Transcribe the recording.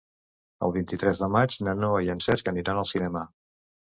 El vint-i-tres de maig na Noa i en Cesc aniran al cinema.